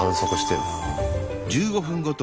１５分ごと？